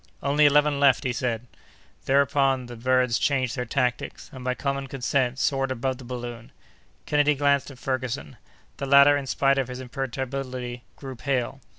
"Only eleven left," said he. Thereupon the birds changed their tactics, and by common consent soared above the balloon. Kennedy glanced at Ferguson. The latter, in spite of his imperturbability, grew pale.